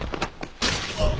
あっ！